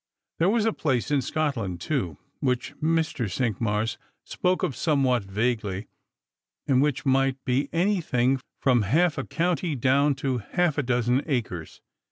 There was a place in Scotland too, which Mr. Cinqmars spoke of somewhat vaguely, and which might be anything, from half a county down to half a dozen acres.